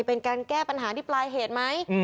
เป็นการแก้ปัญหาที่ปลายเหตุไหม